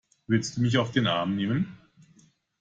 Willst du mich auf den Arm nehmen?